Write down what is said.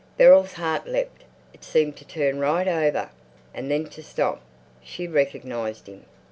Beryl's heart leapt; it seemed to turn right over, and then to stop. She recognized him.